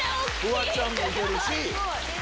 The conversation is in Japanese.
フワちゃんもいてるし。